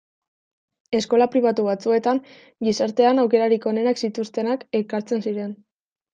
Eskola pribatu batzuetan gizartean aukerarik onenak zituztenak elkartzen ziren.